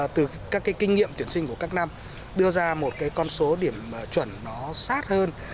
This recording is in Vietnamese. từ các kinh nghiệm tuyển sinh của các năm đưa ra một con số điểm chuẩn sát hơn